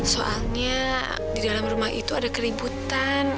soalnya di dalam rumah itu ada keributan